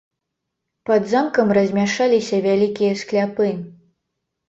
Пад замкам размяшчаліся вялікія скляпы.